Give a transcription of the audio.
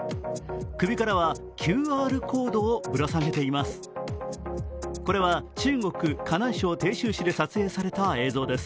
首からはＱＲコードをぶら下げています。